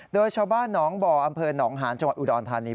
โดยชาวบ้านหนองบ่ออำเภอหนองหาญจังหวัดอุดรธานี